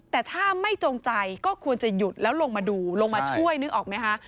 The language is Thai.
แต่ถ้าไม่จงใจก็ควรจะหยุดแล้วลงมาดูลงมาช่วยนึกออกไหมคะ